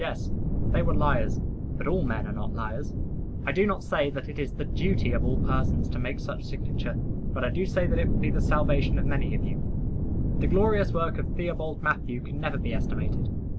Yes; they were liars. But all men are not liars. I do not say that it is the duty of all persons to make such signature; but I do say that it will be the salvation of many of you. The glorious work of Theobald Mathew can never be estimated.